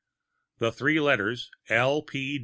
The three letters L. P.